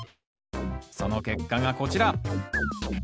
その結果がこちら。